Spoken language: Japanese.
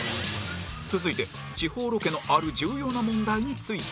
続いて地方ロケのある重要な問題について